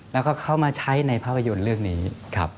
แล้วก็เข้ามาใช้ในภาพยนตร์เรื่องนี้